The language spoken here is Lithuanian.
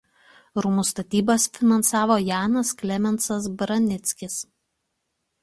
Rūmų statybas finansavo Janas Klemensas Branickis.